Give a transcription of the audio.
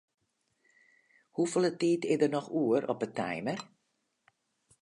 Hoefolle tiid is der noch oer op 'e timer?